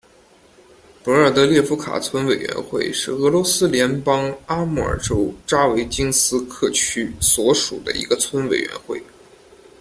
博尔德列夫卡村委员会是俄罗斯联邦阿穆尔州扎维京斯克区所属的一个村委员会。